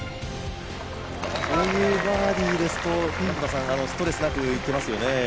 こういうバーディーですとストレスなくいってますね。